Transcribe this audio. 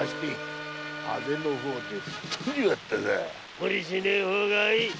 無理しねぇ方がいい。